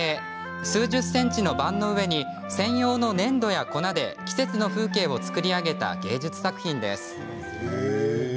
数十ｃｍの盤の上に専用の粘土や粉で、季節の風景を作り上げた芸術作品です。